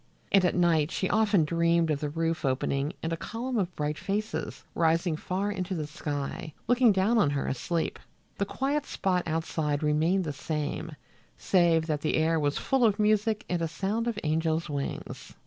And at night she often dreamed of the roof opening and a column of bright faces, rising far into the sky, looking down on her asleep. The quiet spot outside remained the same, save that the air was full of music and a sound of angels' wings.